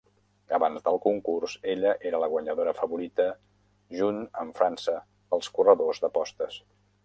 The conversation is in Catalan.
Abans del concurs, ella era la guanyadora favorita junt amb França pels corredors d'apostes.